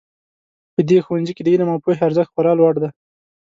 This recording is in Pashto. په دې ښوونځي کې د علم او پوهې ارزښت خورا لوړ ده